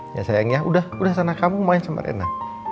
ya sayangnya udah sana kamu main sama rena